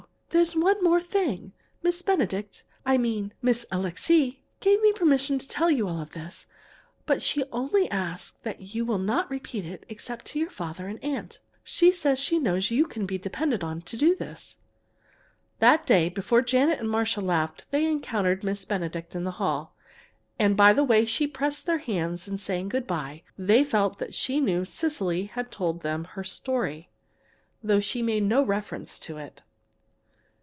there's one thing more. Miss Benedict I mean Miss Alixe gave me permission to tell you all this, but she only asks that you will not repeat it except to your father and aunt. She says she knows you can be depended on to do this." That day, before Janet and Marcia left, they encountered Miss Benedict in the hall. And, by the way she pressed their hands in saying good by they felt that she knew Cecily had told them her story, though she made no reference to it.